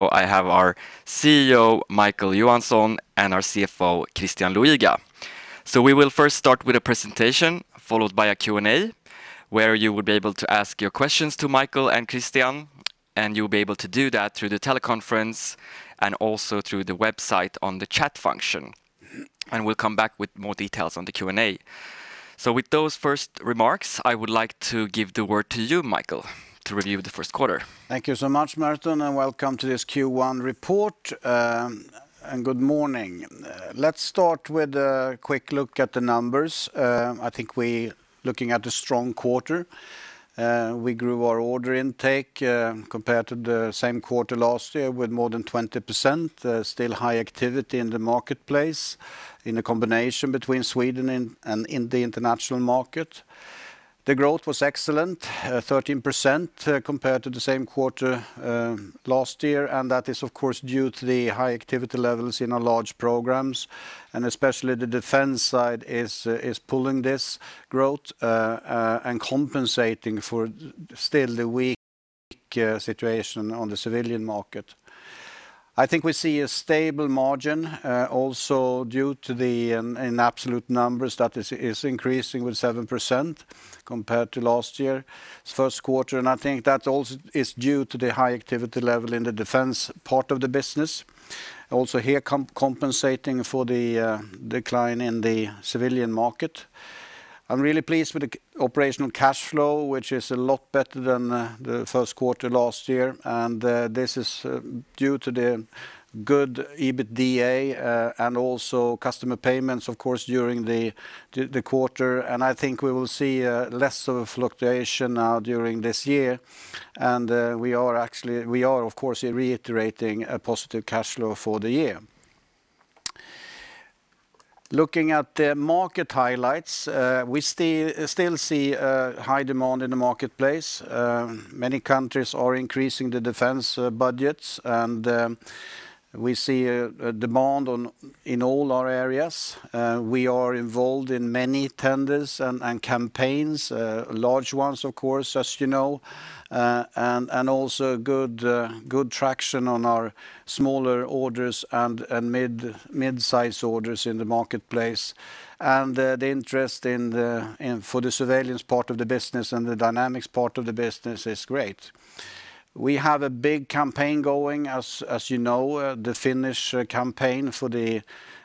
I have our CEO, Micael Johansson, and our CFO, Christian Luiga. We will first start with a presentation, followed by a Q&A, where you will be able to ask your questions to Micael and Christian, and you'll be able to do that through the teleconference and also through the website on the chat function. We'll come back with more details on the Q&A. With those first remarks, I would like to give the word to you, Micael, to review the first quarter. Thank you so much, Merton, welcome to this Q1 report. Good morning. Let's start with a quick look at the numbers. I think we're looking at a strong quarter. We grew our order intake compared to the same quarter last year with more than 20%. Still high activity in the marketplace in a combination between Sweden and in the international market. The growth was excellent, 13% compared to the same quarter last year. That is, of course, due to the high activity levels in our large programs. Especially the defense side is pulling this growth, and compensating for still the weak situation on the civilian market. I think we see a stable margin, also due to the, in absolute numbers, that is increasing with 7% compared to last year's first quarter. I think that also is due to the high activity level in the defense part of the business. Also here, compensating for the decline in the civilian market. I'm really pleased with the operational cash flow, which is a lot better than the first quarter last year. This is due to the good EBITDA, and also customer payments, of course, during the quarter. I think we will see less of a fluctuation now during this year. We are of course, reiterating a positive cash flow for the year. Looking at the market highlights, we still see high demand in the marketplace. Many countries are increasing the defense budgets, and we see a demand in all our areas. We are involved in many tenders and campaigns. Large ones, of course, as you know. Also good traction on our smaller orders and mid-size orders in the marketplace. The interest for the Surveillance part of the business and the Dynamics part of the business is great. We have a big campaign going, as you know, the Finnish campaign for the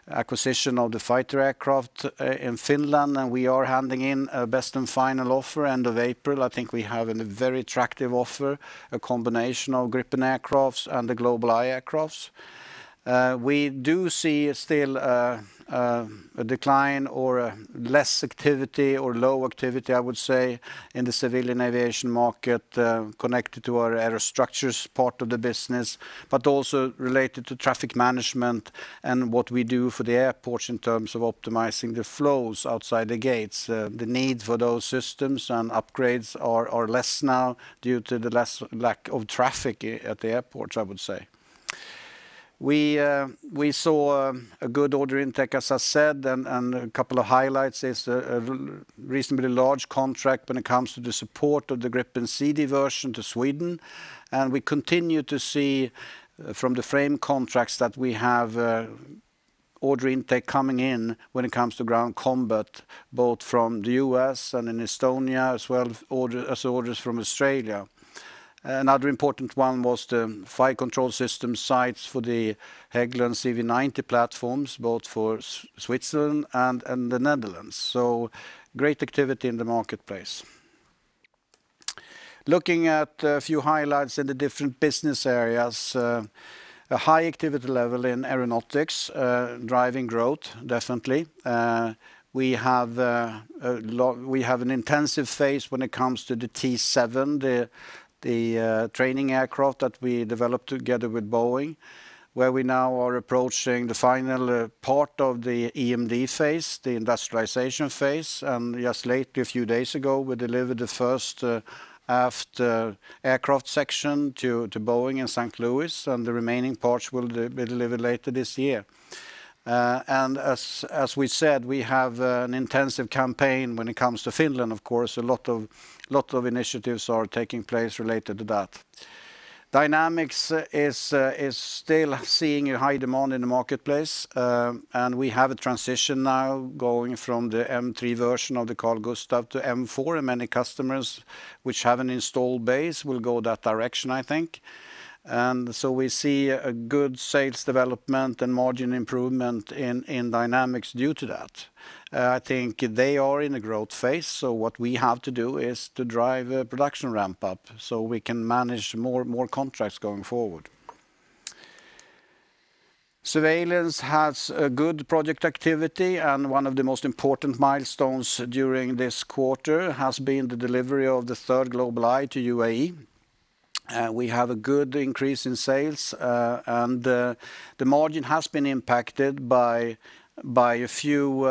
acquisition of the fighter aircraft in Finland, we are handing in a best and final offer end of April. I think we have a very attractive offer, a combination of Gripen aircrafts and the GlobalEye aircrafts. We do see still a decline or a less activity or low activity, I would say, in the civilian aviation market, connected to our Aerostructures part of the business, but also related to traffic management and what we do for the airports in terms of optimizing the flows outside the gates. The need for those systems and upgrades are less now due to the lack of traffic at the airports, I would say. We saw a good order intake, as I said, and a couple of highlights is a reasonably large contract when it comes to the support of the Gripen C/D version to Sweden. We continue to see from the frame contracts that we have order intake coming in when it comes to ground combat, both from the U.S. and in Estonia, as well as orders from Australia. Another important one was the fire control system sights for the Hägglunds CV90 platforms, both for Switzerland and the Netherlands. Great activity in the marketplace. Looking at a few highlights in the different business areas. A high activity level in Aeronautics, driving growth, definitely. We have an intensive phase when it comes to the T-7, the training aircraft that we developed together with Boeing, where we now are approaching the final part of the EMD phase, the industrialization phase. Just lately, a few days ago, we delivered the first aft aircraft section to Boeing in St. Louis, and the remaining parts will be delivered later this year. As we said, we have an intensive campaign when it comes to Finland, of course. A lot of initiatives are taking place related to that. Dynamics is still seeing a high demand in the marketplace. We have a transition now going from the M3 version of the Carl-Gustaf M4, and many customers which have an install base will go that direction, I think. We see a good sales development and margin improvement in Dynamics due to that. I think they are in a growth phase, so what we have to do is to drive a production ramp-up so we can manage more contracts going forward. Surveillance has a good project activity. One of the most important milestones during this quarter has been the delivery of the third GlobalEye to UAE. We have a good increase in sales. The margin has been impacted by a few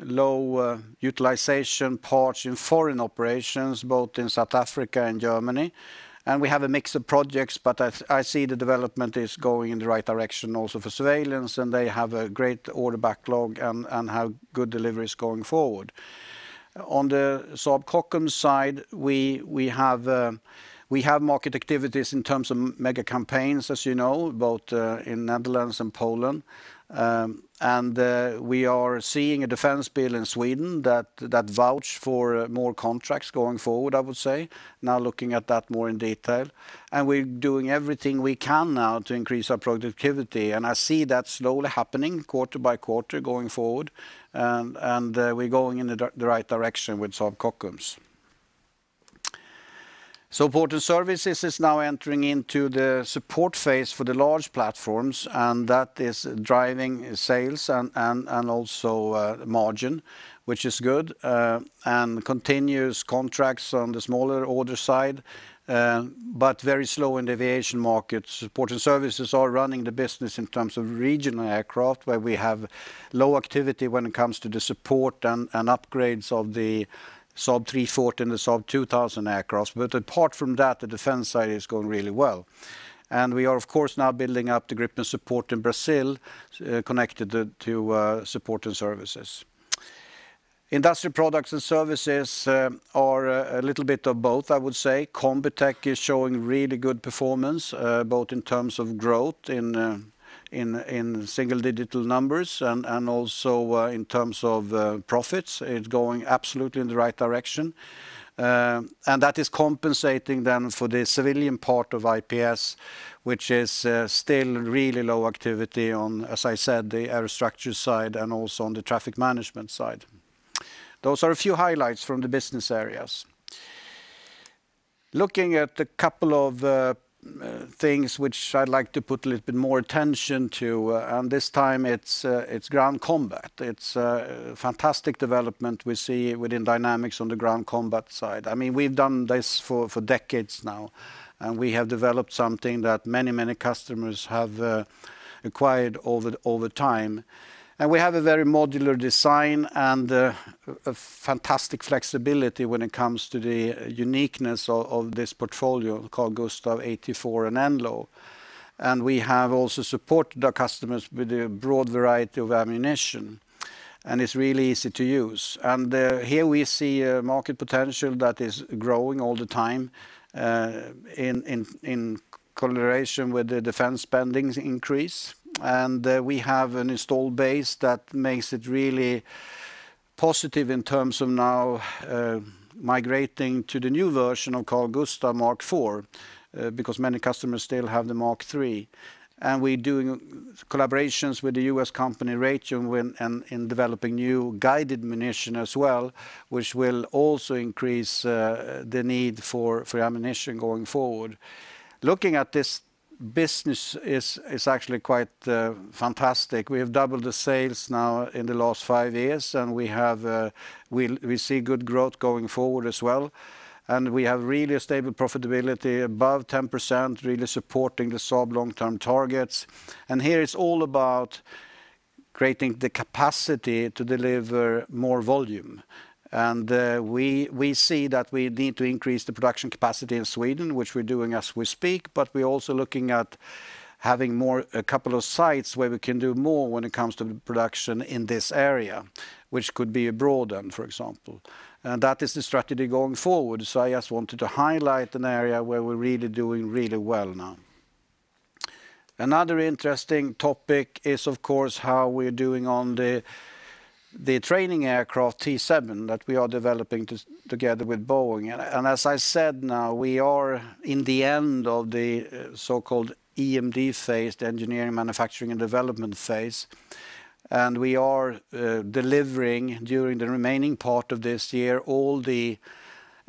low utilization parts in foreign operations, both in South Africa and Germany. We have a mix of projects. I see the development is going in the right direction also for Surveillance. They have a great order backlog and have good deliveries going forward. On the Saab Kockums side, we have market activities in terms of mega campaigns, as you know, both in Netherlands and Poland. We are seeing a defense bill in Sweden that vouch for more contracts going forward, I would say, now looking at that more in detail. We're doing everything we can now to increase our productivity. I see that slowly happening quarter by quarter going forward. We're going in the right direction with Saab Kockums. Support and Services is now entering into the support phase for the large platforms, and that is driving sales and also margin, which is good, and continuous contracts on the smaller order side, but very slow in the aviation market. Support and Services are running the business in terms of regional aircraft, where we have low activity when it comes to the support and upgrades of the Saab 340 / Saab 2000 aircraft. Apart from that, the defense side is going really well. We are, of course, now building up the Gripen support in Brazil, connected to Support and Services. Industrial Products and Services are a little bit of both, I would say. Combitech is showing really good performance, both in terms of growth in single-digit numbers and also in terms of profits. It's going absolutely in the right direction. That is compensating then for the civilian part of IPS, which is still really low activity on, as I said, the Aerostructure side and also on the traffic management side. Those are a few highlights from the business areas. Looking at a couple of things which I'd like to put a little bit more attention to, this time it's ground combat. It's a fantastic development we see within Dynamics on the ground combat side. We've done this for decades now. We have developed something that many customers have acquired over time. We have a very modular design and a fantastic flexibility when it comes to the uniqueness of this portfolio, Carl-Gustaf M4 and NLAW. We have also supported our customers with a broad variety of ammunition, and it's really easy to use. Here we see a market potential that is growing all the time in correlation with the defense spendings increase. We have an installed base that makes it really positive in terms of now migrating to the new version of Carl-Gustaf M4, because many customers still have the M3. We're doing collaborations with the U.S. company, Raytheon, in developing new guided munition as well, which will also increase the need for ammunition going forward. Looking at this business is actually quite fantastic. We have doubled the sales now in the last five years, and we see good growth going forward as well. We have really a stable profitability above 10%, really supporting the Saab long-term targets. Here it's all about creating the capacity to deliver more volume. We see that we need to increase the production capacity in Sweden, which we're doing as we speak, but we're also looking at having a couple of sites where we can do more when it comes to the production in this area, which could be abroad, for example. That is the strategy going forward. I just wanted to highlight an area where we're really doing really well now. Another interesting topic is, of course, how we're doing on the training aircraft T-7 that we are developing together with Boeing. As I said now, we are in the end of the so-called EMD phase, the Engineering, Manufacturing, and Development phase. We are delivering during the remaining part of this year, all the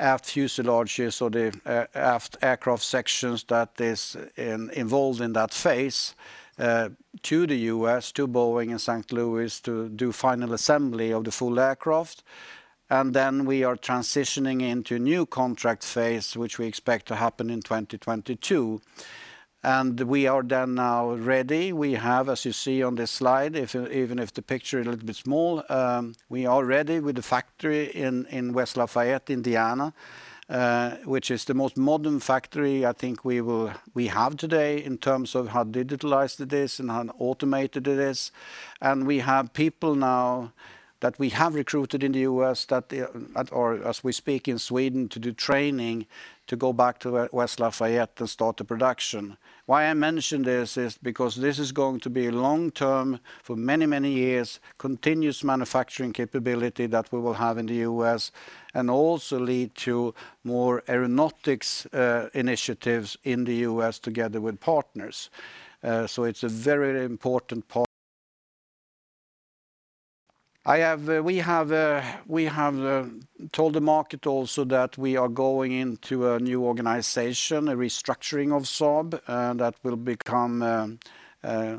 aft fuselage or the aft aircraft sections that is involved in that phase to the U.S., to Boeing in St. Louis to do final assembly of the full aircraft. We are transitioning into new contract phase, which we expect to happen in 2022. We are then now ready. We have, as you see on this slide, even if the picture is a little bit small, we are ready with the factory in West Lafayette, Indiana, which is the most modern factory I think we have today in terms of how digitalized it is and how automated it is. We have people now that we have recruited in the U.S., or as we speak in Sweden, to do training to go back to West Lafayette and start the production. Why I mention this is because this is going to be long-term for many years, continuous manufacturing capability that we will have in the U.S., and also lead to more Aeronautics initiatives in the U.S. together with partners. It's a very important [part]. We have told the market also that we are going into a new organization, a restructuring of Saab, that will become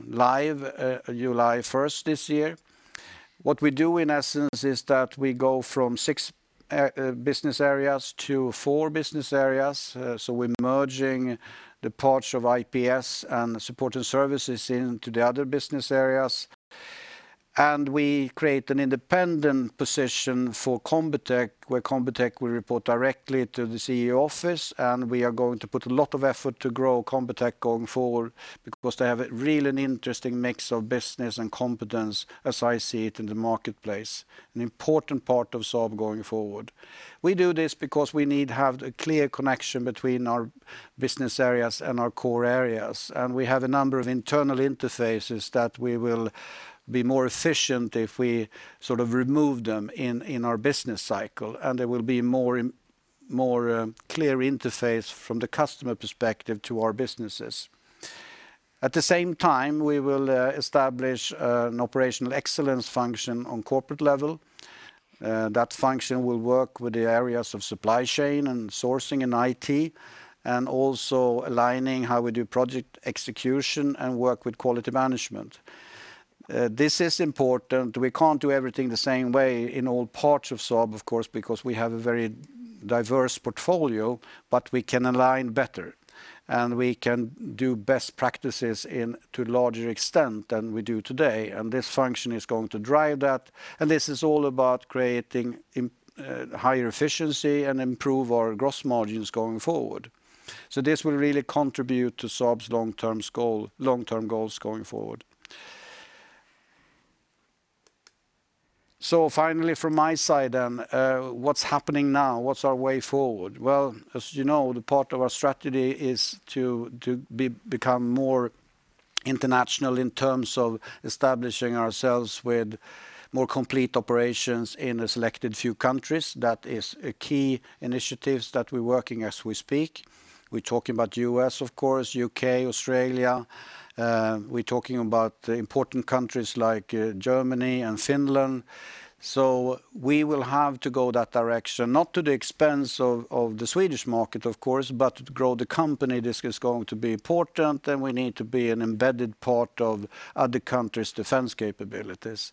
live July 1st this year. What we do, in essence, is that we go from six business areas to four business areas. We're merging the parts of IPS and Support and Services into the other business areas. We create an independent position for Combitech, where Combitech will report directly to the CEO office. We are going to put a lot of effort to grow Combitech going forward because they have a really interesting mix of business and competence as I see it in the marketplace, an important part of Saab going forward. We do this because we need to have a clear connection between our business areas and our core areas, and we have a number of internal interfaces that we will be more efficient if we sort of remove them in our business cycle. There will be more clear interface from the customer perspective to our businesses. At the same time, we will establish an operational excellence function on corporate level. That function will work with the areas of supply chain and sourcing and IT, and also aligning how we do project execution and work with quality management. This is important. We can't do everything the same way in all parts of Saab, of course, because we have a very diverse portfolio, but we can align better, and we can do best practices into a larger extent than we do today. This function is going to drive that, and this is all about creating higher efficiency and improve our gross margins going forward. This will really contribute to Saab's long-term goals going forward. Finally, from my side then, what's happening now? What's our way forward? Well, as you know, the part of our strategy is to become more international in terms of establishing ourselves with more complete operations in a selected few countries. That is a key initiative that we're working as we speak. We're talking about U.S., of course, U.K., Australia. We're talking about important countries like Germany and Finland. We will have to go that direction, not to the expense of the Swedish market, of course, but to grow the company, this is going to be important, and we need to be an embedded part of other countries' defense capabilities.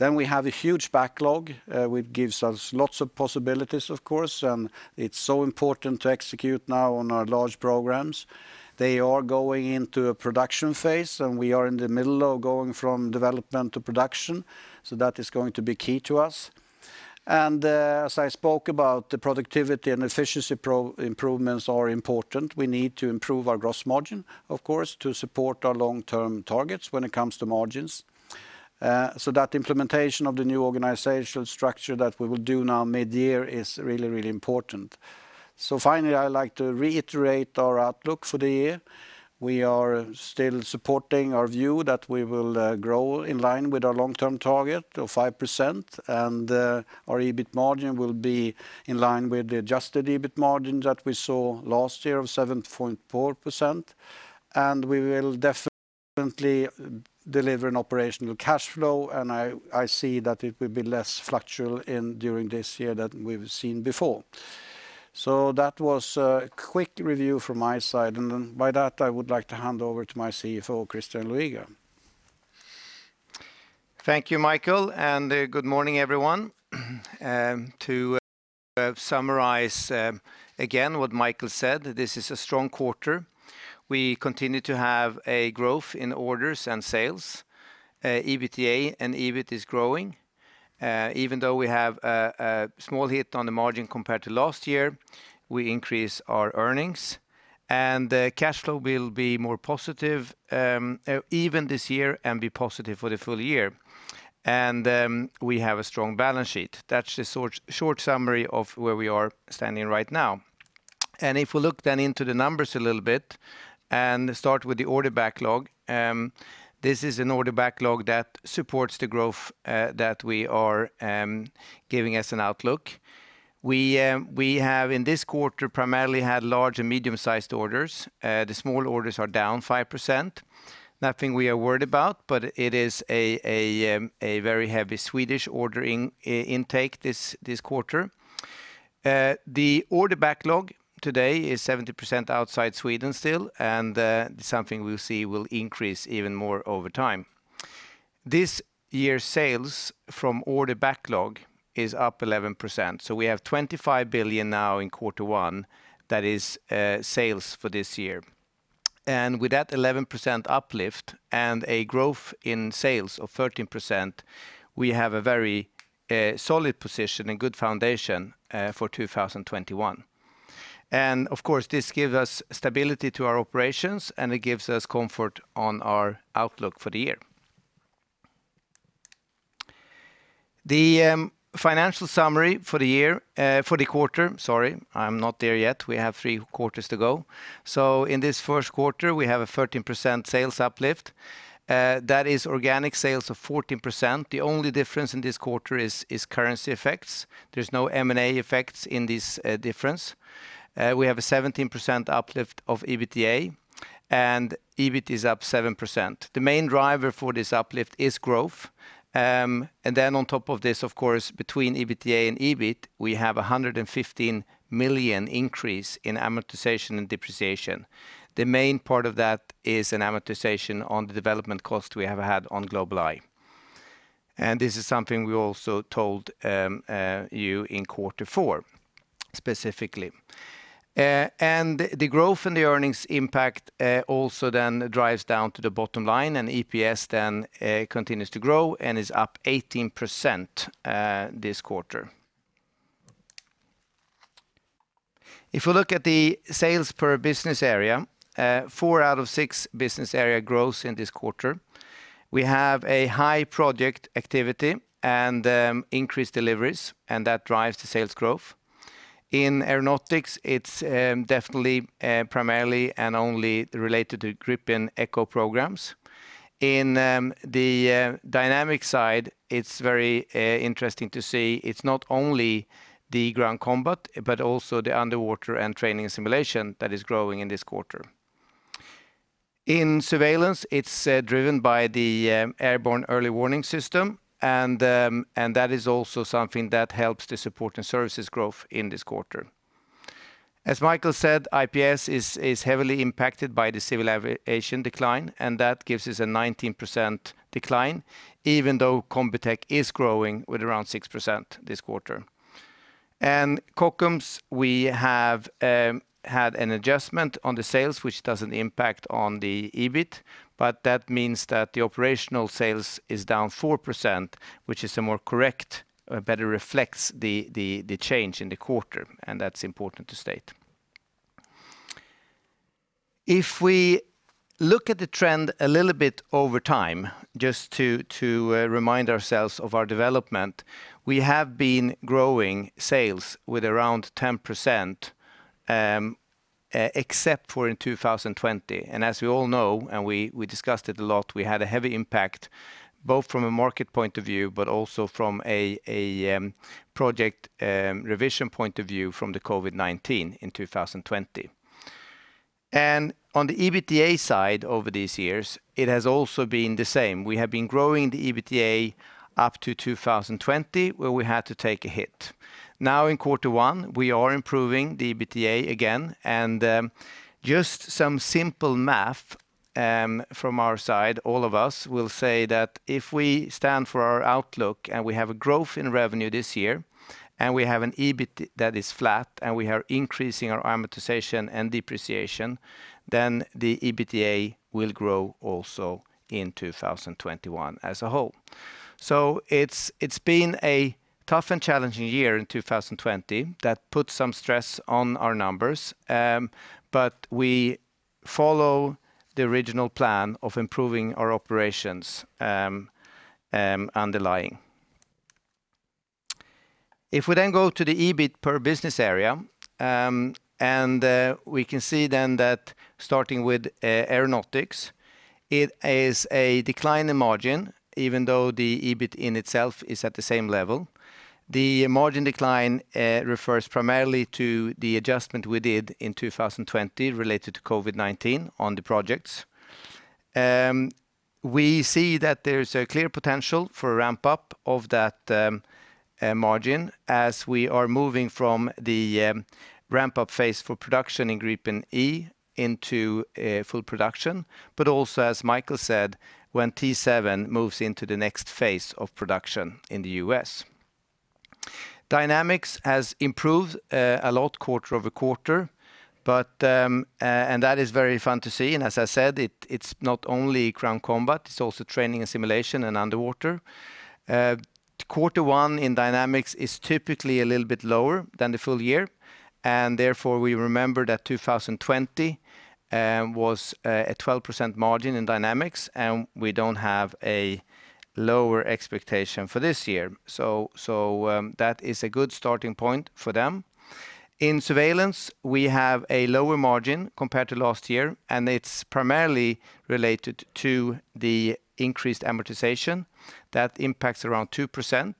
We have a huge backlog, which gives us lots of possibilities, of course, and it's so important to execute now on our large programs. They are going into a production phase, and we are in the middle of going from development to production, that is going to be key to us. As I spoke about the productivity and efficiency improvements are important. We need to improve our gross margin, of course, to support our long-term targets when it comes to margins. That implementation of the new organizational structure that we will do now mid-year is really important. Finally, I would like to reiterate our outlook for the year. We are still supporting our view that we will grow in line with our long-term target of 5%, and our EBIT margin will be in line with the adjusted EBIT margin that we saw last year of 7.4%. We will definitely deliver an operational cash flow, and I see that it will be less fluctuating during this year than we've seen before. That was a quick review from my side, and then by that, I would like to hand over to my CFO, Christian Luiga. Thank you, Micael, and good morning, everyone. To summarize again what Micael said, this is a strong quarter. We continue to have a growth in orders and sales. EBITDA and EBIT is growing. Even though we have a small hit on the margin compared to last year, we increase our earnings, and cash flow will be more positive even this year and be positive for the full year. We have a strong balance sheet. That's the short summary of where we are standing right now. If we look then into the numbers a little bit and start with the order backlog, this is an order backlog that supports the growth that we are giving as an outlook. We have, in this quarter, primarily had large and medium-sized orders. The small orders are down 5%. Nothing we are worried about, it is a very heavy Swedish ordering intake this quarter. The order backlog today is 70% outside Sweden still, something we'll see will increase even more over time. This year's sales from order backlog is up 11%. We have 25 billion now in Q1 that is sales for this year. With that 11% uplift and a growth in sales of 13%, we have a very solid position and good foundation for 2021. Of course, this gives us stability to our operations, and it gives us comfort on our outlook for the year. The financial summary for the quarter, sorry, I'm not there yet. We have three quarters to go. In this first quarter, we have a 13% sales uplift. That is organic sales of 14%. The only difference in this quarter is currency effects. There's no M&A effects in this difference. We have a 17% uplift of EBITDA, and EBIT is up 7%. The main driver for this uplift is growth. On top of this, of course, between EBITDA and EBIT, we have a 115 million increase in amortization and depreciation. The main part of that is an amortization on the development cost we have had on GlobalEye. This is something we also told you in Q4. Specifically. The growth in the earnings impact also then drives down to the bottom line, and EPS then continues to grow and is up 18% this quarter. If we look at the sales per business area, four out of six business area grows in this quarter. We have a high project activity and increased deliveries, and that drives the sales growth. In Aeronautics, it's definitely primarily and only related to Gripen E programs. In the Dynamics, it's very interesting to see, it's not only the ground combat, but also the underwater and training simulation that is growing in this quarter. In Surveillance, it's driven by the airborne early warning, That is also something that helps to support the services growth in this quarter. As Micael said, IPS is heavily impacted by the civil aviation decline, That gives us a 19% decline, even though Combitech is growing with around 6% this quarter. Kockums, we have had an adjustment on the sales, which doesn't impact on the EBIT, but that means that the operational sales is down 4%, which is a more correct, better reflects the change in the quarter, That's important to state. If we look at the trend a little bit over time, just to remind ourselves of our development, we have been growing sales with around 10%, except for in 2020. As we all know, and we discussed it a lot, we had a heavy impact both from a market point of view, but also from a project revision point of view, from the COVID-19 in 2020. On the EBITDA side over these years, it has also been the same. We have been growing the EBITDA up to 2020, where we had to take a hit. Now in Q1, we are improving the EBITDA again. Just some simple math from our side, all of us will say that if we stand for our outlook and we have a growth in revenue this year, and we have an EBIT that is flat, and we are increasing our amortization and depreciation, then the EBITDA will grow also in 2021 as a whole. It's been a tough and challenging year in 2020 that put some stress on our numbers. We follow the original plan of improving our operations underlying. If we then go to the EBIT per business area, we can see then that starting with Aeronautics, it is a decline in margin, even though the EBIT in itself is at the same level. The margin decline refers primarily to the adjustment we did in 2020 related to COVID-19 on the projects. We see that there is a clear potential for a ramp-up of that margin as we are moving from the ramp-up phase for production in Gripen E into full production, but also, as Micael said, when T-7 moves into the next phase of production in the U.S. Dynamics has improved a lot quarter-over-quarter. That is very fun to see. As I said, it's not only ground combat, it's also training and simulation and underwater. Q1 in Dynamics is typically a little bit lower than the full year, and therefore we remember that 2020 was a 12% margin in Dynamics, and we don't have a lower expectation for this year. That is a good starting point for them. In Surveillance, we have a lower margin compared to last year, and it's primarily related to the increased amortization that impacts around 2%.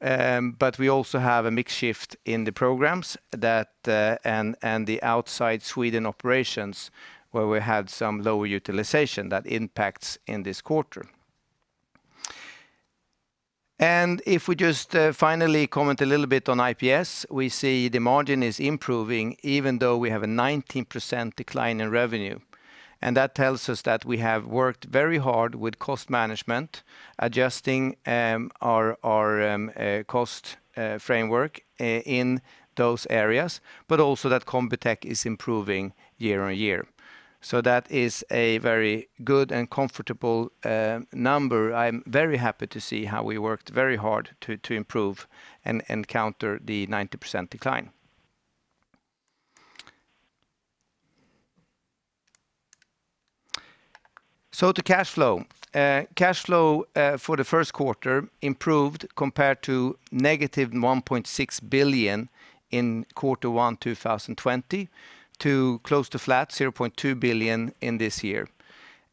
We also have a mix shift in the programs and the outside Sweden operations where we had some lower utilization that impacts in this quarter. If we just finally comment a little bit on IPS, we see the margin is improving, even though we have a 19% decline in revenue. That tells us that we have worked very hard with cost management, adjusting our cost framework in those areas, but also that Combitech is improving year-on-year. That is a very good and comfortable number. I am very happy to see how we worked very hard to improve and counter the 19% decline. Cash flow for the first quarter improved compared to -1.6 billion in Q1 2020 to close to flat 0.2 billion in this year.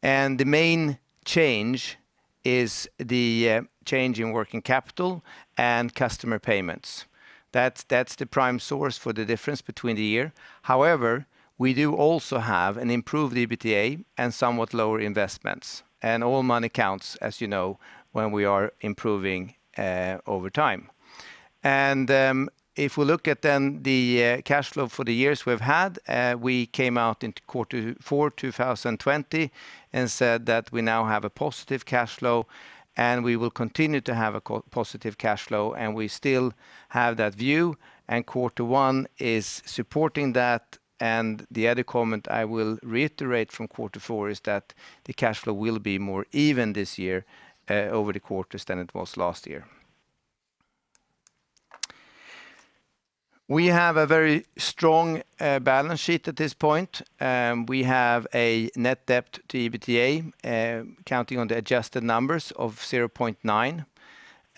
The main change is the change in working capital and customer payments. That's the prime source for the difference between the year. However, we do also have an improved EBITDA and somewhat lower investments, and all money counts, as you know, when we are improving over time. If we look at then the cash flow for the years we've had, we came out into Q4 2020 and said that we now have a positive cash flow, and we will continue to have a positive cash flow, and we still have that view. Q1 is supporting that. The other comment I will reiterate from quarter four is that the cash flow will be more even this year over the quarters than it was last year. We have a very strong balance sheet at this point. We have a net debt to EBITDA, counting on the adjusted numbers of 0.9,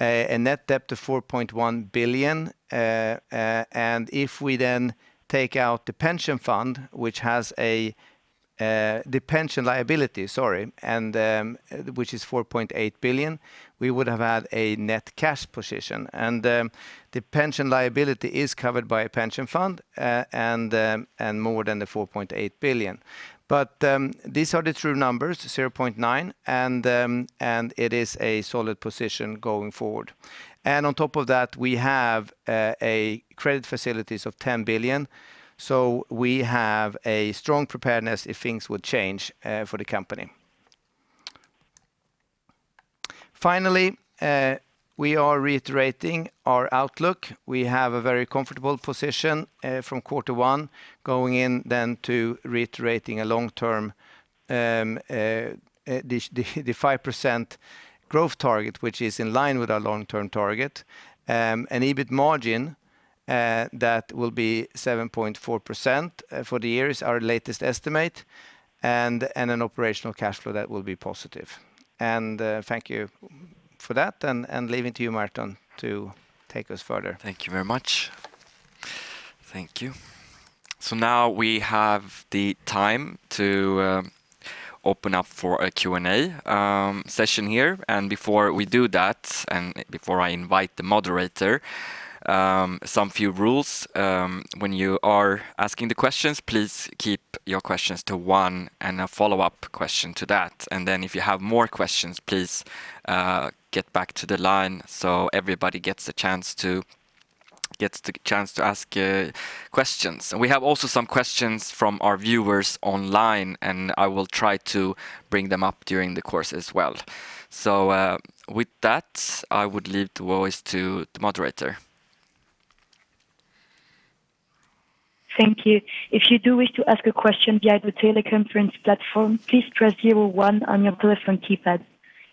a net debt of 4.1 billion. If we take out the pension fund, the pension liability, sorry, which is 4.8 billion, we would have had a net cash position. The pension liability is covered by a pension fund and more than the 4.8 billion. These are the true numbers, 0.9, and it is a solid position going forward. On top of that, we have credit facilities of 10 billion. We have a strong preparedness if things would change for the company. Finally, we are reiterating our outlook. We have a very comfortable position from quarter one going in then to reiterating a long-term, the 5% growth target, which is in line with our long-term target. An EBIT margin that will be 7.4% for the year is our latest estimate, and an operational cash flow that will be positive. Thank you for that, and leaving to you, Merton, to take us further. Thank you very much. Thank you. Now we have the time to open up for a Q&A session here. Before we do that, and before I invite the moderator, some few rules. When you are asking the questions, please keep your questions to one and a follow-up question to that. Then if you have more questions, please get back to the line so everybody gets the chance to ask questions. We have also some questions from our viewers online, and I will try to bring them up during the course as well. With that, I would leave the voice to the moderator. Thank you. If you do wish to ask a question via the teleconference platform, please press zero and one on your telephone keypad.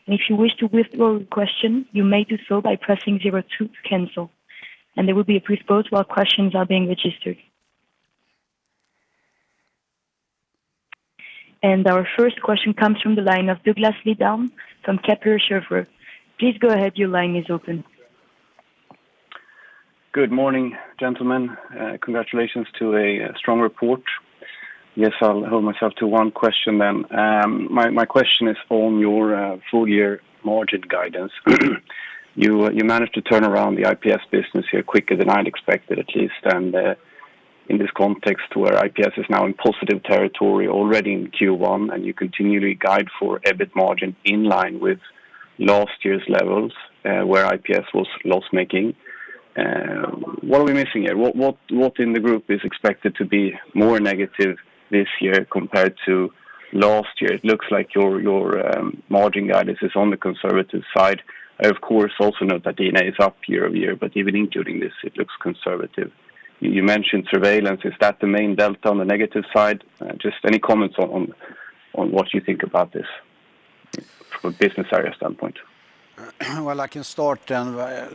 If you wish to withdraw the question, you may do so by pressing zero and two to cancel. There will be a brief pause while questions are being registered. Our first question comes from the line of Douglas Lindahl from Kepler Cheuvreux. Please go ahead. Your line is open. Good morning, gentlemen. Congratulations to a strong report. I'll hold myself to one question then. My question is on your full-year margin guidance. You managed to turn around the IPS business here quicker than I'd expected, at least. In this context where IPS is now in positive territory already in Q1, and you continually guide for EBIT margin in line with last year's levels where IPS was loss-making. What are we missing here? What in the group is expected to be more negative this year compared to last year? It looks like your margin guidance is on the conservative side. I, of course, also note that D&A is up year-over-year, but even including this, it looks conservative. You mentioned Surveillance. Is that the main delta on the negative side? Just any comments on what you think about this from a business area standpoint? Well, I can start.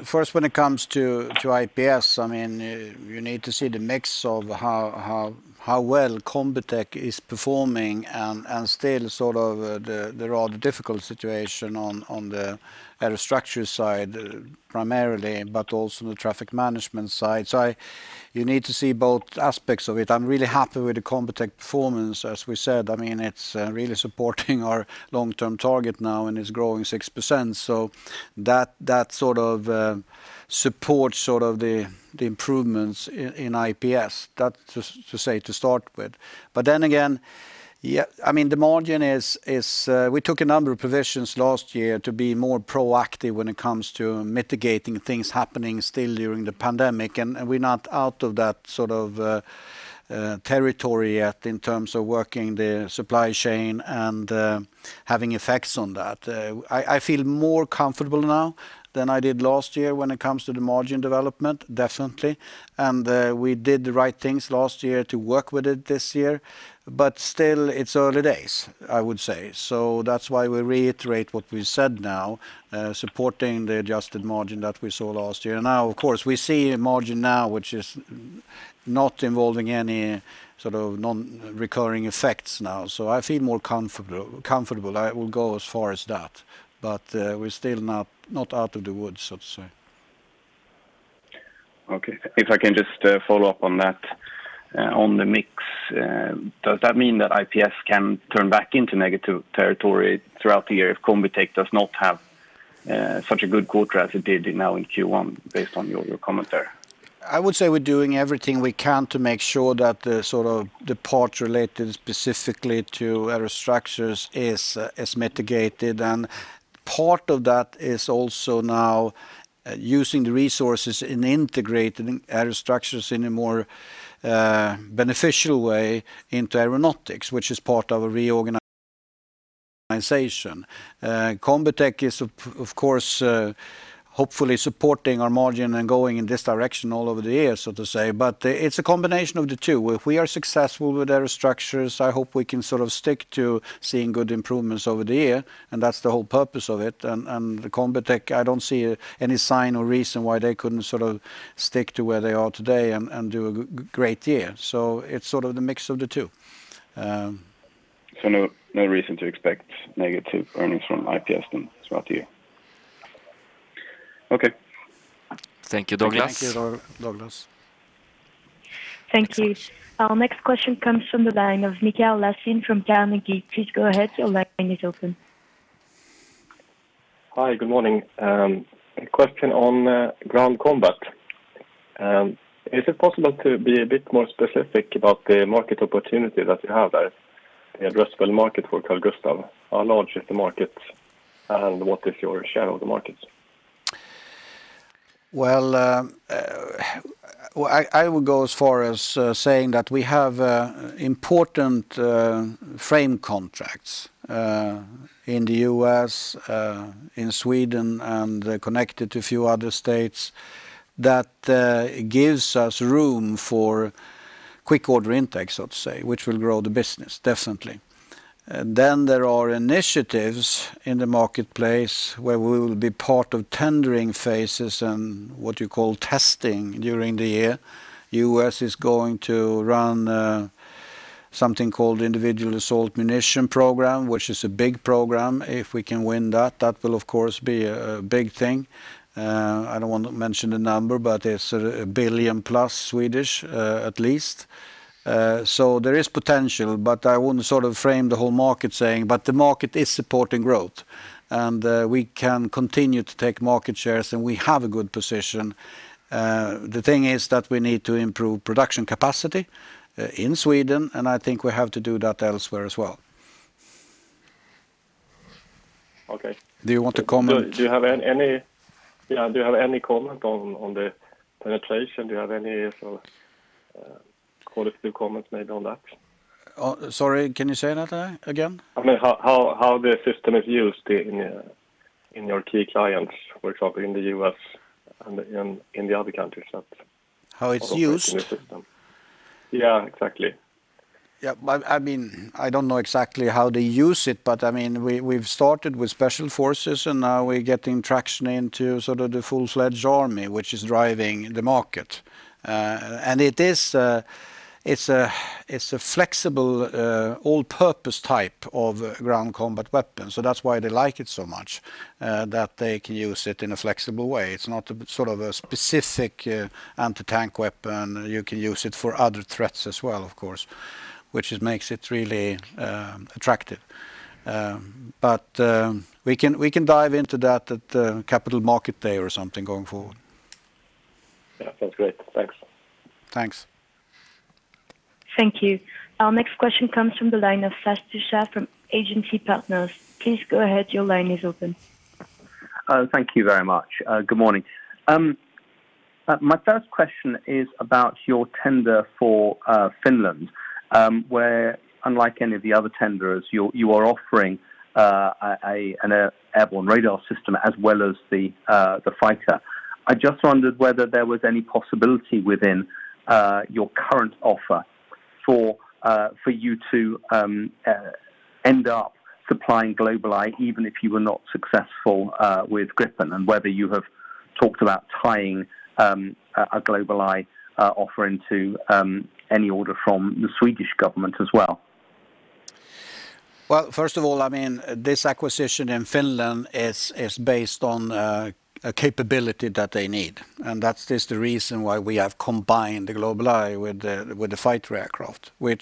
First, when it comes to IPS, you need to see the mix of how well Combitech is performing and still the rather difficult situation on the Aerostructures side primarily, but also the traffic management side. You need to see both aspects of it. I'm really happy with the Combitech performance. As we said, it's really supporting our long-term target now, and it's growing 6%. That sort of supports the improvements in IPS. That to say to start with. Again, the margin is we took a number of provisions last year to be more proactive when it comes to mitigating things happening still during the pandemic. We're not out of that territory yet in terms of working the supply chain and having effects on that. I feel more comfortable now than I did last year when it comes to the margin development, definitely. We did the right things last year to work with it this year. Still, it's early days, I would say. That's why we reiterate what we said now, supporting the adjusted margin that we saw last year. Now, of course, we see a margin now which is not involving any sort of non-recurring effects now. I feel more comfortable. I will go as far as that. We're still not out of the woods, so to say. Okay. If I can just follow up on that. On the mix, does that mean that IPS can turn back into negative territory throughout the year if Combitech does not have such a good quarter as it did now in Q1 based on your comment there? I would say we're doing everything we can to make sure that the part related specifically to Aerostructures is mitigated. Part of that is also now using the resources in integrating Aerostructures in a more beneficial way into Aeronautics, which is part of a organization. Combitech is, of course, hopefully supporting our margin and going in this direction all over the year, so to say. It's a combination of the two. If we are successful with Aerostructures, I hope we can stick to seeing good improvements over the year, and that's the whole purpose of it. Combitech, I don't see any sign or reason why they couldn't stick to where they are today and do a great year. It's the mix of the two. No reason to expect negative earnings from IPS then throughout the year? Okay. Thank you, Douglas. Thank you, Douglas. Thank you. Our next question comes from the line of Mikael Laséen from Carnegie. Please go ahead, your line is open. Hi, good morning. A question on Ground Combat. Is it possible to be a bit more specific about the market opportunity that you have there? The addressable market for Carl-Gustaf. How large is the market, and what is your share of the market? Well, I would go as far as saying that we have important frame contracts in the U.S., in Sweden, and connected to a few other states that gives us room for quick order intake, so to say, which will grow the business, definitely. There are initiatives in the marketplace where we will be part of tendering phases and what you call testing during the year. U.S. is going to run something called Individual Assault Munition program, which is a big program. If we can win that will, of course, be a big thing. I don't want to mention the number, it's 1 billion-plus, at least. There is potential, but I wouldn't frame the whole market saying, The market is supporting growth, We can continue to take market shares, and we have a good position. The thing is that we need to improve production capacity in Sweden, and I think we have to do that elsewhere as well. Okay. Do you want to comment? Do you have any comment on the penetration? Do you have any qualitative comments made on that? Sorry, can you say that again? I mean, how the system is used in your key clients, for example, in the U.S. and in the other countries. How it's used? Operates in the system. Yeah, exactly. Yeah. I don't know exactly how they use it, but we've started with special forces, and now we're getting traction into the full-fledged army, which is driving the market. It's a flexible all-purpose type of ground combat weapon, so that's why they like it so much, that they can use it in a flexible way. It's not a specific anti-tank weapon. You can use it for other threats as well, of course, which makes it really attractive. We can dive into that at the capital market day or something going forward. Yeah. That's great. Thanks. Thanks. Thank you. Our next question comes from the line of Sash Tusa from Agency Partners. Thank you very much. Good morning. My first question is about your tender for Finland, where unlike any of the other tenders, you are offering an airborne radar system as well as the fighter. I just wondered whether there was any possibility within your current offer for you to end up supplying GlobalEye, even if you were not successful with Gripen, and whether you have talked about tying a GlobalEye offer into any order from the Swedish government as well. Well, first of all, this acquisition in Finland is based on a capability that they need, and that is the reason why we have combined the GlobalEye with the fighter aircraft. The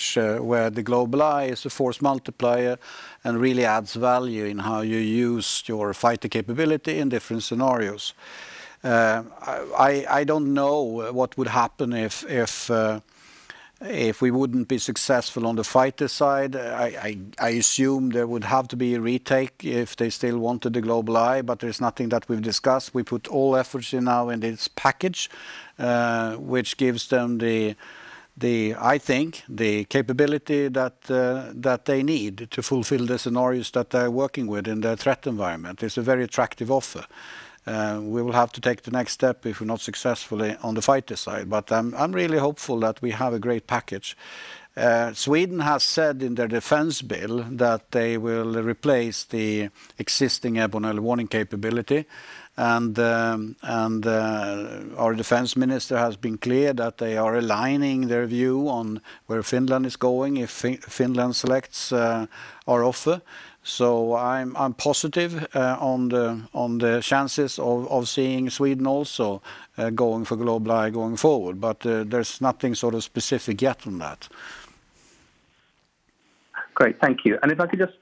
GlobalEye is a force multiplier and really adds value in how you use your fighter capability in different scenarios. I don't know what would happen if we wouldn't be successful on the fighter side. I assume there would have to be a retake if they still wanted the GlobalEye, there's nothing that we've discussed. We put all efforts in now in this package, which gives them, I think, the capability that they need to fulfill the scenarios that they're working with in their threat environment. It's a very attractive offer. We will have to take the next step if we're not successful on the fighter side. I'm really hopeful that we have a great package. Sweden has said in their defense bill that they will replace the existing airborne early warning capability, and our defense minister has been clear that they are aligning their view on where Finland is going if Finland selects our offer. I'm positive on the chances of seeing Sweden also going for GlobalEye going forward. There's nothing specific yet on that. Great. Thank you. If I could just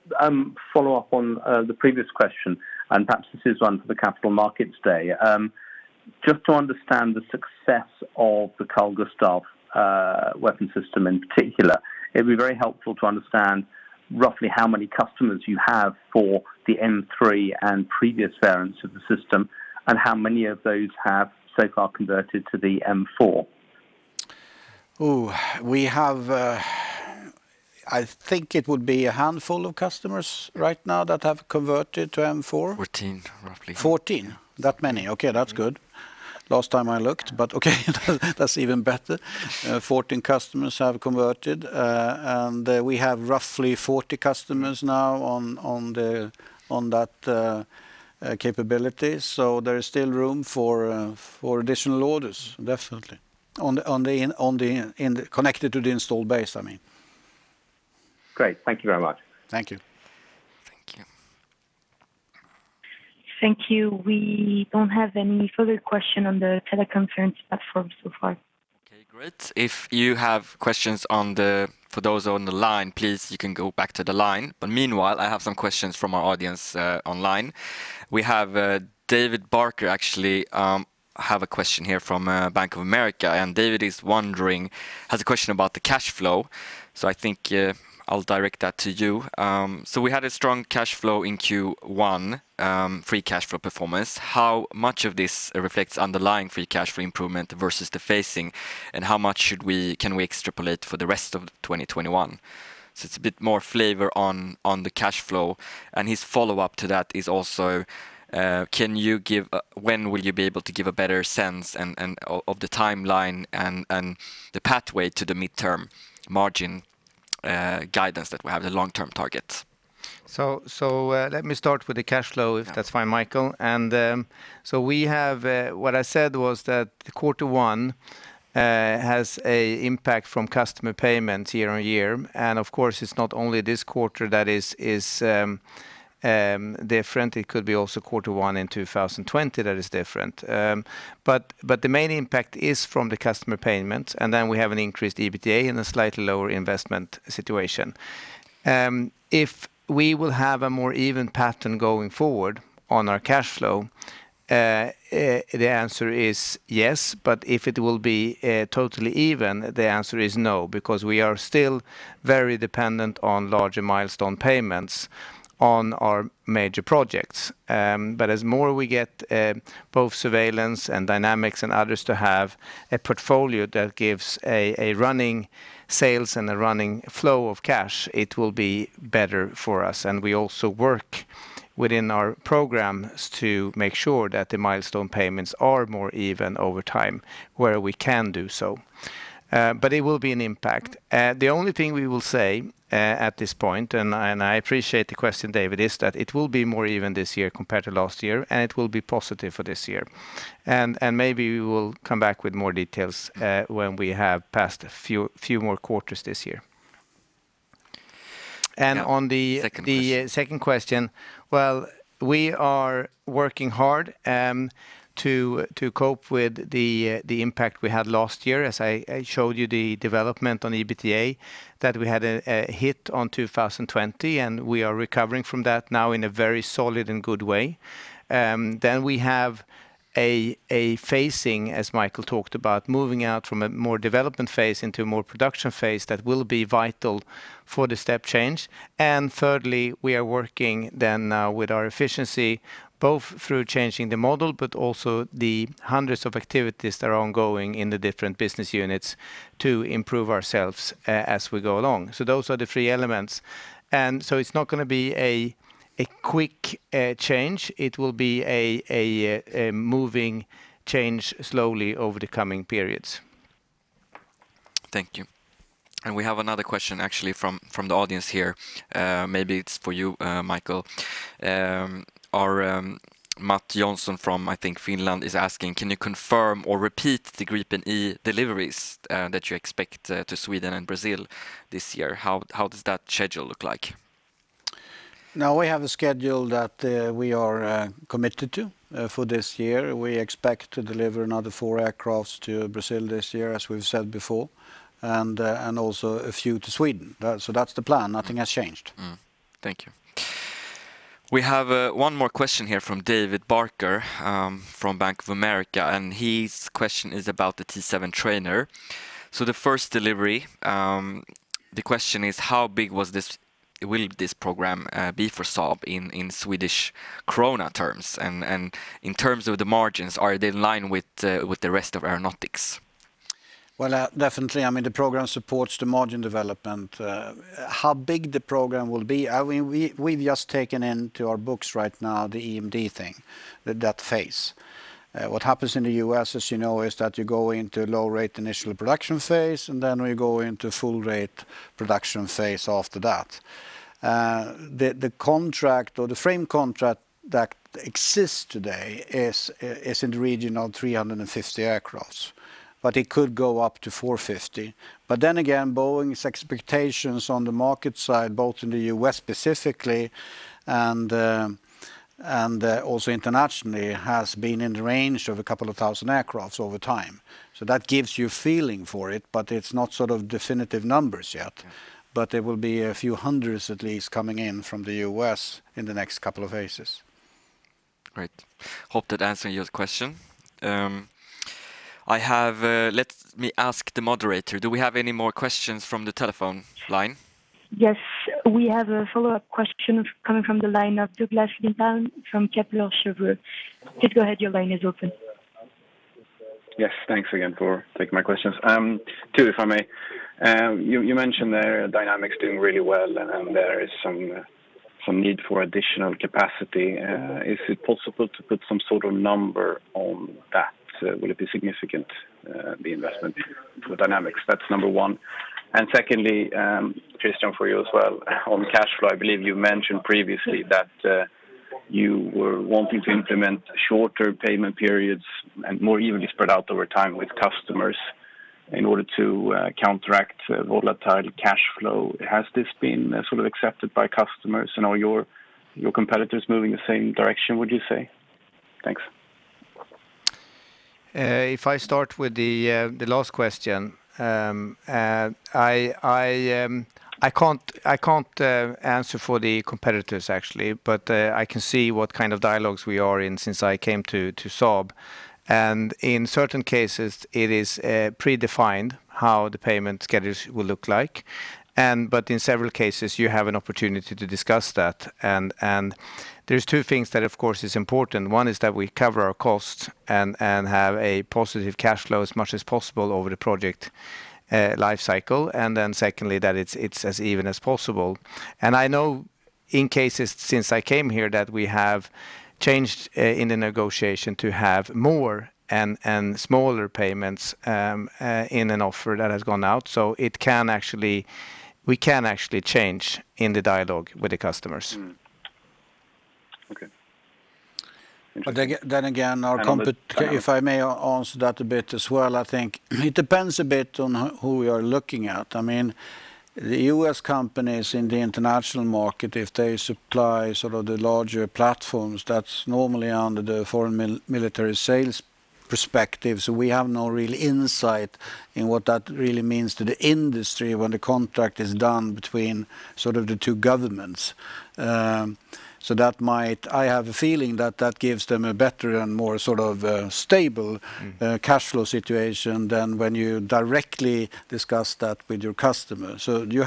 follow up on the previous question, perhaps this is one for the capital markets day. Just to understand the success of the Carl-Gustaf weapon system in particular, it'd be very helpful to understand roughly how many customers you have for the M3 and previous variants of the system, and how many of those have so far converted to the M4? We have, I think it would be a handful of customers right now that have converted to M4. 14, roughly. 14? That many. Okay, that's good. Last time I looked, but okay, that's even better. 14 customers have converted, and we have roughly 40 customers now on that capability. There is still room for additional orders, definitely. Connected to the installed base, I mean. Great. Thank you very much. Thank you. Thank you. Thank you. We don't have any further question on the teleconference platform so far. Okay, great. If you have questions for those on the line, please, you can go back to the line. Meanwhile, I have some questions from our audience online. We have David Barker actually have a question here from Bank of America. David has a question about the cash flow. I think I'll direct that to you. We had a strong cash flow in Q1, free cash flow performance. How much of this reflects underlying free cash flow improvement versus the phasing, and how much can we extrapolate for the rest of 2021? It's a bit more flavor on the cash flow. His follow-up to that is also, when will you be able to give a better sense of the timeline and the pathway to the midterm margin guidance that we have the long-term targets? Let me start with the cash flow, if that's fine, Micael. What I said was that the quarter one has a impact from customer payments year-on-year. Of course, it's not only this quarter that is different, it could be also quarter one in 2020 that is different. The main impact is from the customer payment, and then we have an increased EBITDA and a slightly lower investment situation. If we will have a more even pattern going forward on our cash flow, the answer is yes. If it will be totally even, the answer is no, because we are still very dependent on larger milestone payments on our major projects. As more we get both Surveillance and Dynamics and others to have a portfolio that gives a running sales and a running flow of cash, it will be better for us. We also work within our programs to make sure that the milestone payments are more even over time where we can do so. It will be an impact. The only thing we will say, at this point, and I appreciate the question, David, is that it will be more even this year compared to last year, and it will be positive for this year. Maybe we will come back with more details when we have passed a few more quarters this year. Yeah. Second question. On the second question, well, we are working hard to cope with the impact we had last year. As I showed you the development on EBITDA, that we had a hit on 2020, and we are recovering from that now in a very solid and good way. We have a phasing, as Micael talked about, moving out from a more development phase into more production phase that will be vital for the step change. Thirdly, we are working then now with our efficiency, both through changing the model, but also the hundreds of activities that are ongoing in the different business units to improve ourselves as we go along. Those are the three elements. It's not going to be a quick change. It will be a moving change slowly over the coming periods. Thank you. We have another question actually from the audience here. Maybe it's for you, Micael. Matt Johnson from, I think Finland is asking, can you confirm or repeat the Gripen E deliveries that you expect to Sweden and Brazil this year? How does that schedule look like? We have a schedule that we are committed to for this year. We expect to deliver another four aircraft to Brazil this year, as we've said before, and also a few to Sweden. That's the plan. Nothing has changed. Thank you. We have one more question here from David Barker, from Bank of America, and his question is about the T-7 trainer. The first delivery, the question is, how big will this program be for Saab in SEK terms? In terms of the margins, are they in line with the rest of Aeronautics? Definitely, the program supports the margin development. How big the program will be, we've just taken into our books right now the EMD, that phase. What happens in the U.S., as you know, is that you go into low-rate initial production phase, and then we go into full rate production phase after that. The frame contract that exists today is in the region of 350 aircrafts, but it could go up to 450. Then again, Boeing's expectations on the market side, both in the U.S. specifically and also internationally, has been in the range of a couple of thousand aircrafts over time. That gives you a feeling for it, but it's not definitive numbers yet. Yeah. There will be a few hundreds at least coming in from the U.S. in the next couple of phases. Great. Hope that answered your question. Let me ask the moderator, do we have any more questions from the telephone line? Yes. We have a follow-up question coming from the line of Douglas Lindahl from Kepler Cheuvreux. Please go ahead. Your line is open. Yes. Thanks again for taking my questions. Two, if I may. You mentioned that Dynamics is doing really well. There is some need for additional capacity. Is it possible to put some sort of number on that? Will it be significant, the investment for Dynamics? That's number one. Secondly, Christian, for you as well. On cash flow, I believe you mentioned previously that you were wanting to implement shorter payment periods and more evenly spread out over time with customers in order to counteract volatile cash flow. Has this been accepted by customers? Are your competitors moving in the same direction, would you say? Thanks. If I start with the last question. I can't answer for the competitors, actually, but I can see what kind of dialogues we are in since I came to Saab. In certain cases, it is predefined what the payment schedules will look like. In several cases, you have an opportunity to discuss that. There's two things that, of course, are important. One is that we cover our costs and have a positive cash flow as much as possible over the project life cycle, then secondly, that it's as even as possible. I know in cases since I came here that we have changed in the negotiation to have more and smaller payments in an offer that has gone out. We can actually change in the dialogue with the customers. Okay. Interesting. Again, if I may answer that a bit as well, I think it depends a bit on who we are looking at. The U.S. companies in the international market, if they supply the larger platforms, that's normally under the Foreign Military Sales perspective. We have no real insight into what that really means to the industry when the contract is done between the two governments. I have a feeling that that gives them a better and more stable cash flow situation than when you directly discuss that with your customer. You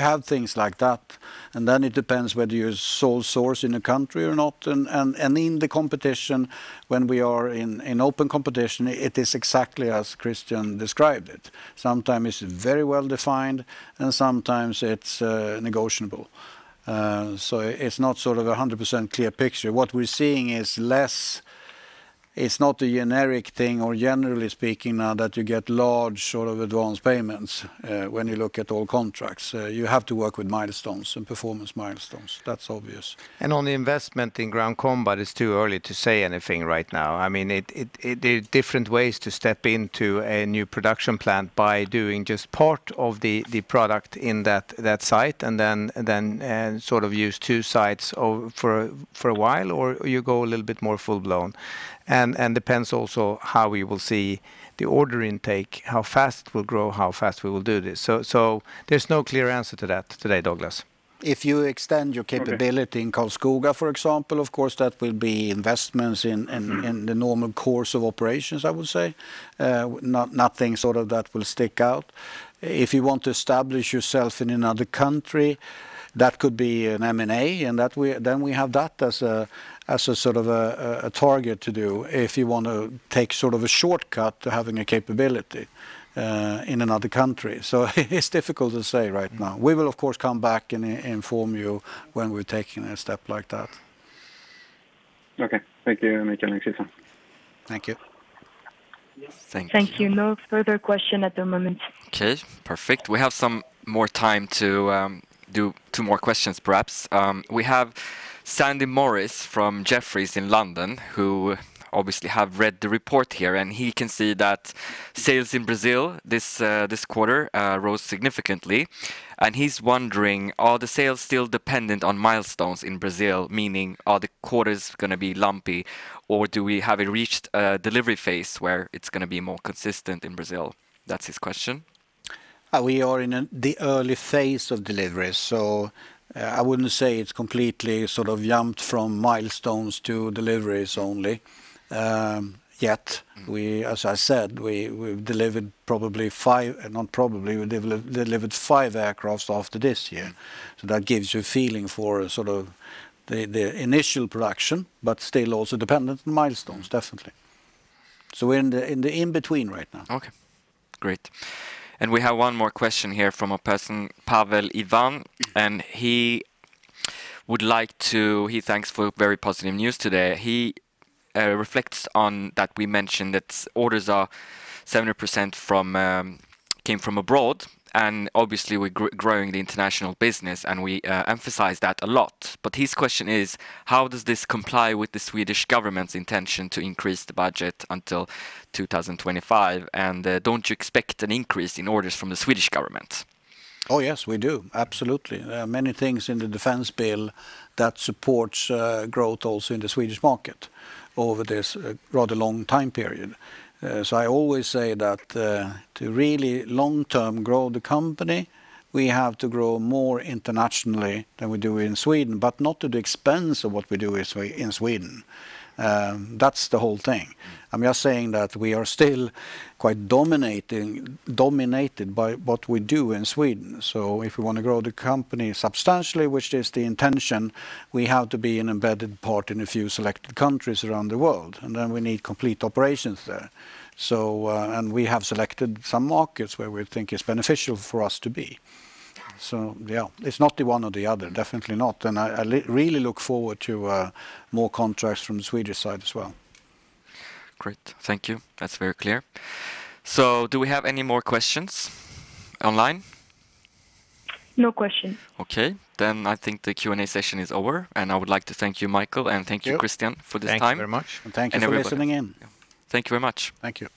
have things like that, and then it depends whether you're a sole source in a country or not. In the competition, when we are in open competition, it is exactly as Christian described it. Sometimes it's very well defined, and sometimes it's negotiable. It's not a 100% clear picture. What we're seeing is it's not a generic thing, or generally speaking, now that you get large advanced payments when you look at all contracts. You have to work with milestones and performance milestones. That's obvious. On the investment in ground combat, it's too early to say anything right now. There are different ways to step into a new production plant by doing just part of the product in that site, and then use two sites for a while, or you go a little bit more full-blown. It depends also on how we will see the order intake, how fast we'll grow, how fast we will do this. There's no clear answer to that today, Douglas. Okay. If you extend your capability in Karlskoga, for example, of course, that will be investments in the normal course of operations, I would say. Nothing that will stick out. If you want to establish yourself in another country, that could be an M&A, and then we have that as a target to do if you want to take a shortcut to having a capability in another country. It's difficult to say right now. We will, of course, come back and inform you when we're taking a step like that. Okay. Thank you, Mikael and Christian. Thank you. Thank you. No further questions at the moment. Okay, perfect. We have some more time to do two more questions, perhaps. We have Sandy Morris from Jefferies in London, who obviously has read the report here, and he's wondering, are the sales still dependent on milestones in Brazil, meaning are the quarters going to be lumpy, or do we have it reached a delivery phase where it's going to be more consistent in Brazil? That's his question. We are in the early phase of delivery, so I wouldn't say it's completely jumped from milestones to deliveries only yet. As I said, we've delivered five aircraft after this year, so that gives you a feeling for the initial production, but still also dependent on milestones, definitely. We're in the in-between right now. Okay, great. We have one more question here from a person, Pavel Ivan. He thanks for very positive news today. He reflects on that we mentioned that orders are 70% came from abroad, and obviously we're growing the international business, and we emphasize that a lot. His question is, how does this comply with the Swedish Government's intention to increase the budget until 2025? Don't you expect an increase in orders from the Swedish Government? Oh, yes, we do. Absolutely. There are many things in the defense bill that support growth also in the Swedish market over this rather long time period. I always say that to really long-term grow the company, we have to grow more internationally than we do in Sweden, but not at the expense of what we do in Sweden. That's the whole thing. I'm just saying that we are still quite dominated by what we do in Sweden. If we want to grow the company substantially, which is the intention, we have to be an embedded part in a few selected countries around the world, and then we need complete operations there. We have selected some markets where we think it's beneficial for us to be. Yeah, it's not the one or the other, definitely not. I really look forward to more contracts from the Swedish side as well. Great. Thank you. That's very clear. Do we have any more questions online? No questions. Okay, I think the Q&A session is over, and I would like to thank you, Mikael, and thank you, Christian, for this time. Thank you very much. Thank you for listening in. Thank you very much. Thank you.